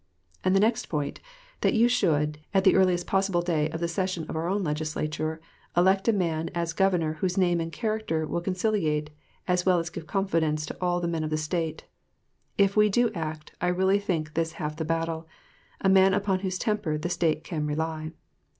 And the next point, that you should, at the earliest possible day of the session of our own Legislature, elect a man as governor whose name and character will conciliate as well as give confidence to all the men of the State, if we do act, I really think this half the battle, a man upon whose temper the State can rely.